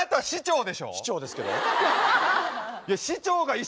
市長